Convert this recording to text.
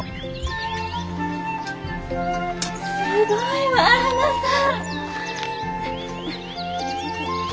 すごいわはなさん！